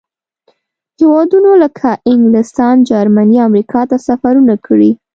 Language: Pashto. هېوادونو لکه انګلستان، جرمني، امریکا ته سفرونه کړي.